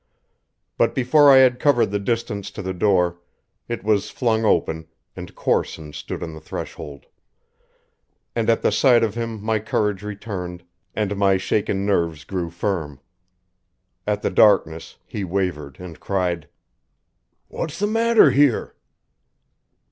But before I had covered the distance to the door, it was flung open and Corson stood on the threshold; and at the sight of him my courage returned and my shaken nerves grew firm. At the darkness he wavered and cried: "What's the matter here?"